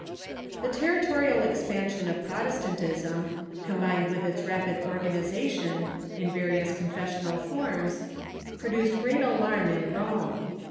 ] The territorial expansion of Protestantism, combined with its rapid organization, in various confessional forms, produced great alarm in Rome.